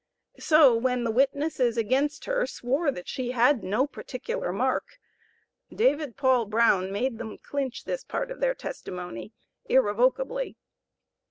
So when the witnesses against her swore that she had no particular mark, David Paul Brown made them clinch this part of their testimony irrevocably.